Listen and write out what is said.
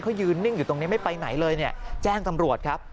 เขายืนนิ่งอยู่ตรงนี้ไม่ไปไหนเลยเนี่ยแจ้งตำรวจครับ